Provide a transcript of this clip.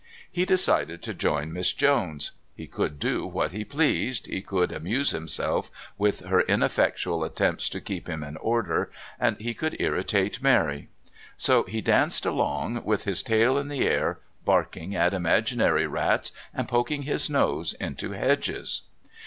He decided to join Miss Jones; he could do what he pleased, he could amuse himself with her ineffectual attempts to keep him in order, and he could irritate Mary; so he danced along, with his tail in the air, barking at imaginary rats and poking his nose into hedges.